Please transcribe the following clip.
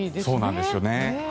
そうなんですよね。